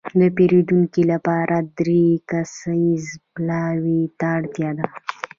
د پېرودنې لپاره دری کسیز پلاوي ته اړتياده.